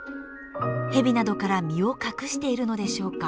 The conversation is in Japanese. ヘビなどから身を隠しているのでしょうか。